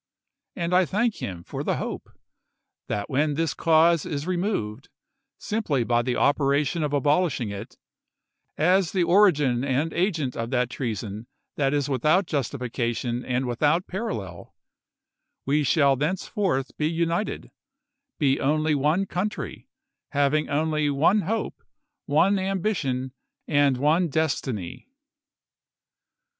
.. And I thank him for the hope that when that cause is re moved, simply by the operation of abohshing it, as the origin and agent of the treason that is without justifica tion and without parallel, we shall thenceforth be united, be only one country, ha\dng only one hope, one ambition, and one destiny.